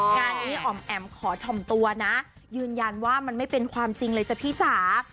งานนี้อ๋อมแอ๋มขอถ่อมตัวนะยืนยันว่ามันไม่เป็นความจริงเลยจ้ะพี่จ๋า